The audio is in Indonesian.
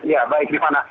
ya baik gimana